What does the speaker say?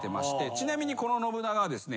ちなみにこの信長はですね